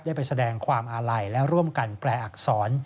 ได้ไปแสดงความอาหล่ายแล้วร่วมกันแปรอักษร